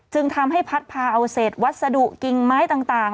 จึงทำให้พัดพาเอาเศษวัสดุกิ่งไม้ต่าง